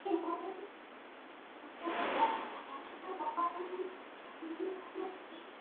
এই ইউনিয়নের লাঙ্গলমোড়া-নিজকুঞ্জরা গ্রাম দিয়ে বয়ে গেছে ফেনী নদী এবং এই নদী দক্ষিণে গিয়ে বঙ্গোপসাগরে মিলিত হয়েছে।